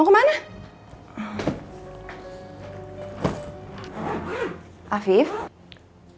aku tidur awam ibu